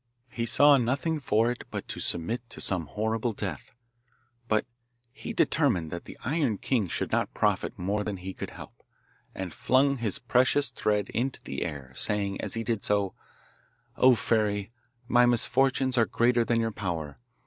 He saw nothing for it but to submit to some horrible death, but he determined that the Iron King should not profit more than he could help, and flung his precious thread into the air, saying, as he did so, 'O fairy, my misfortunes are greater than your power.